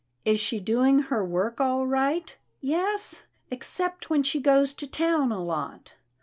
" Is she doing her work all right ?'*" Yes, except when she goes to town a lot."